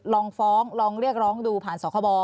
ลองฟ้องลองเรียกร้องดูผ่านสคบ